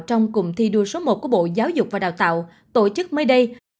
trong cụm thi đua số một của bộ giáo dục và đào tạo tổ chức mới đây